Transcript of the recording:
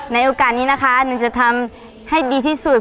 ในโอกาสนี้นะคะหนึ่งจะทำให้ดีที่สุด